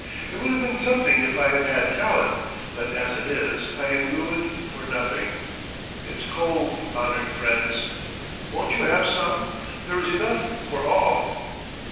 It would have been something if I had had talent, but as it is, I am ruined for nothing. ... It's cold, honoured friends. ... Won't you have some? There is enough for all.